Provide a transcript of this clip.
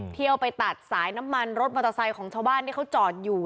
เที่ยวไปตัดสายน้ำมันรถมอเตอร์ไซค์ของชาวบ้านที่เขาจอดอยู่